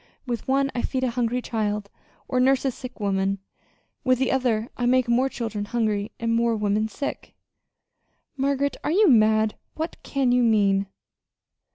With one I feed a hungry child, or nurse a sick woman; with the other I make more children hungry and more women sick." "Margaret, are you mad? What can you mean?"